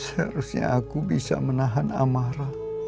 seharusnya aku bisa menahan amarah